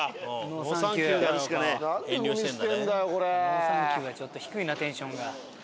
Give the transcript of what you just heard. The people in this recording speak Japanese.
「ノーサンキュー」がちょっと低いなテンションが。